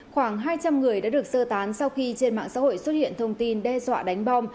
khoảng hai trăm linh người đã được sơ tán sau khi trên mạng xã hội xuất hiện thông tin đe dọa đánh bom